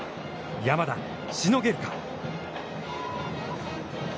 山田、しのげるか？